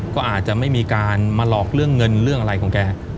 ก็อาจจะไม่มีการมาหลอกเรื่องเงินเรื่องอะไรของแก